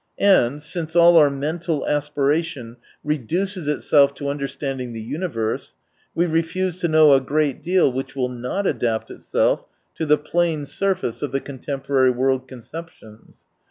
And, since all our mental aspiration reduces itself to under standing the universe, we refuse to know a great deal which will not adapt itself to the plane surface of the contemporary world conceptions.